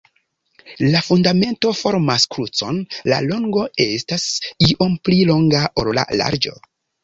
La fundamento formas krucon, la longo estas iom pli longa, ol la larĝo.